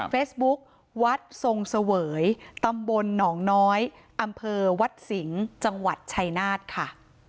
เฟซบุ๊ควัดทรงเสวยตำบลหนองน้อยอำเภอวัดสิงห์จังหวัดชัยนาธค่ะ